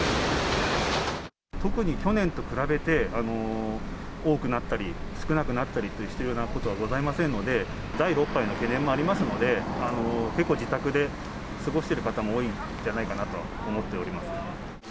特に去年と比べて、多くなったり少なくなったりしてるようなことはございませんので、第６波への懸念もありますので、結構、自宅で過ごしてる方も多いんじゃないかなとは思っております。